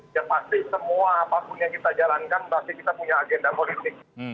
ya pasti semua apapun yang kita jalankan pasti kita punya agenda politik